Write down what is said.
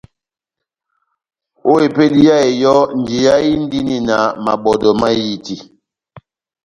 Ó epédi yá eyɔ́, njeyá inidini na mabɔ́dɔ mahiti.